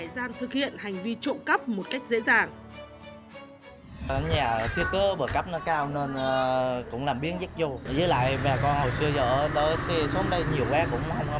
trong thời gian thực hiện hành vi trộm cắp một cách dễ dàng